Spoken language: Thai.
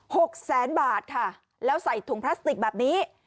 หกแสนบาทค่ะแล้วใส่ถุงพลาสติกแบบนี้